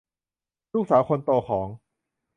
เป็นลูกสาวคนโตของ